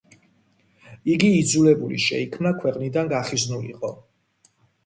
იგი იძულებული შეიქნა ქვეყნიდან გახიზნულიყო.